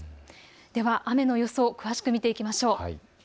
では雨の予想、詳しく見ていきましょう。